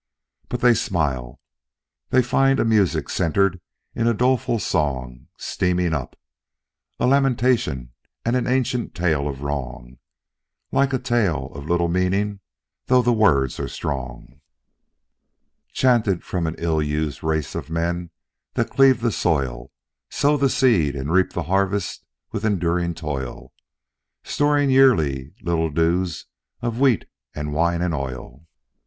But they smile, they find a music centered in a doleful song Steaming up, a lamentation and an ancient tale of wrong, Like a tale of little meaning, tho the words are strong; Chanted from an ill−used race of men that cleave the soil, Sow the seed and reap the harvest with enduring toil, Storing yearly little dues of wheat, and wine and oil."